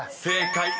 ［正解！